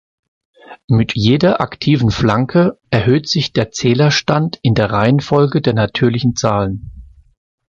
Mit jeder aktiven Flanke erhöht sich der Zählerstand in der Reihenfolge der natürlichen Zahlen.